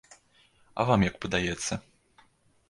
А вам як падаецца?